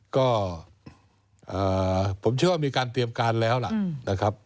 ก็ผมเชื่อว่ามีการเตรียมการแล้วล่ะนะครับ